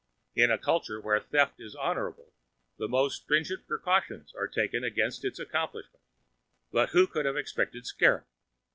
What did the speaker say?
In a culture where theft is honorable, the most stringent precautions are taken against its accomplishment, but who could have expected Skrrgck?